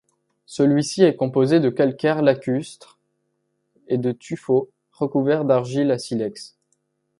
Celui-ci est composé de calcaire lacustre et de tuffeau recouvert d'argile à silex.